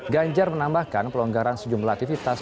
ganjar menambahkan pelonggaran sejumlah aktivitas